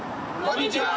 こんにちは！